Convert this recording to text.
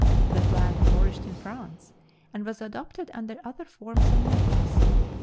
The plan flourished in France, and was adopted under other forms and names.